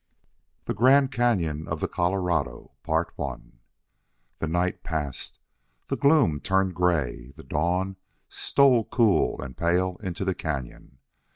THE GRAND CANYON OF THE COLORADO The night passed, the gloom turned gray, the dawn stole cool and pale into the cañon.